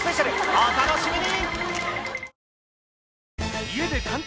お楽しみに！